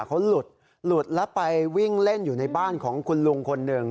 เขาหลุดหลุดแล้วไปวิ่งเล่นอยู่ในบ้านของคุณลุงคนหนึ่ง